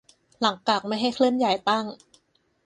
หลังกักไม่ให้เคลื่อนย้ายตั้ง